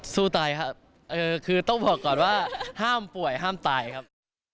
สู้ตายครับคือต้องบอกก่อนว่าห้ามป่วยห้ามตายครับ